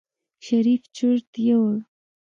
شريف چورت يوړ.